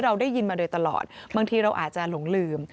เราได้ยินมาโดยตลอดบางทีเราอาจจะหลงลืม